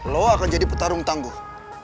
lo akan jadi petarung tangguh